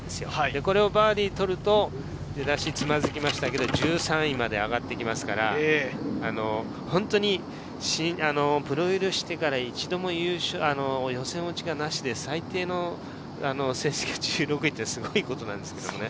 これをバーディー取ると、出だしつまづきましたけど、１３位まで上がってきますから、本当にプロ入りをしてから一度も予選落ちがなしで、最低の成績が１６位ってすごいことなんですよね。